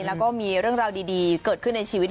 แล้วก็มีเรื่องราวดีเกิดขึ้นในชีวิต